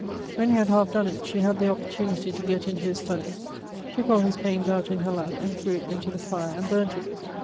When he had halfe donne it, she had the opportunity to gett into his studie, tooke all his paines out in her lap, and threw it into the fire, and burnt it.